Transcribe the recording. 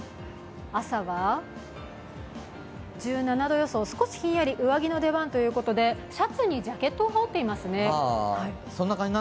朝は１７度予想、少しヒンヤリ上着の出番ということで、シャツにジャケットを羽織っていますね。